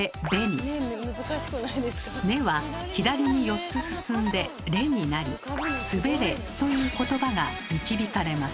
「ね」は左に４つ進んで「れ」になり「すべれ」ということばが導かれます。